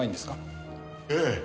ええ。